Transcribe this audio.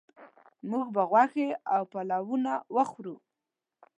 موږ به غوښې او پلونه وخورو